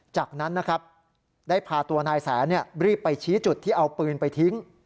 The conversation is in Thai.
จากนั้นนะครับได้พาตัวนายแสนรีบไปชี้จุดที่เอาปืนไปทิ้ง